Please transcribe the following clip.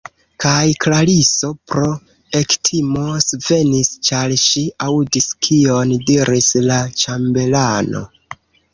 Kaj Klariso pro ektimo svenis, ĉar ŝi aŭdis, kion diris la ĉambelano.